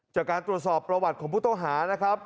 จากการตรวจสอบประวัติของผู้ต้องหานะครับ